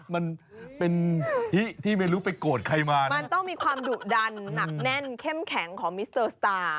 มันเป็นฮิที่ไม่รู้ไปโกรธใครมามันต้องมีความดุดันหนักแน่นเข้มแข็งของมิสเตอร์สตาร์